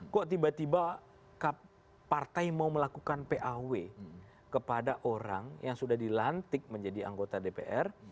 kok tiba tiba partai mau melakukan paw kepada orang yang sudah dilantik menjadi anggota dpr